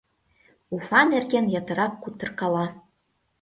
Уфа нерген ятырак кутыркала...